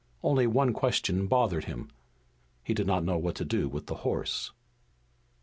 Only one question bothered him. He did not know what to do with the horse.